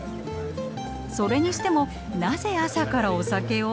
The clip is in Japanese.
それにしてもなぜ朝からお酒を？